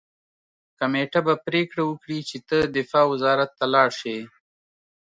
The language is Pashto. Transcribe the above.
کمېټه به پریکړه وکړي چې ته دفاع وزارت ته لاړ شې